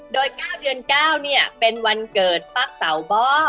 โดยเก้าเดือนเก้าเป็นวันเกิดปักเต่าบ่อ